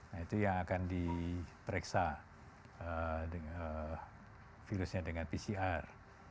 nah itu yang akan diperiksa virusnya dengan pcr